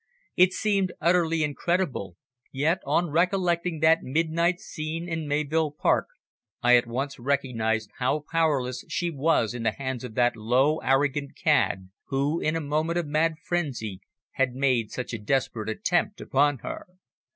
It seemed utterly incredible, yet, on recollecting that midnight scene in Mayvill Park, I at once recognised how powerless she was in the hands of that low, arrogant cad, who, in a moment of mad frenzy, had made such a desperate attempt upon her.